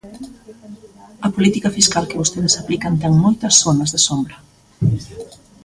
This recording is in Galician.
A política fiscal que vostedes aplican ten moitas zonas de sombra.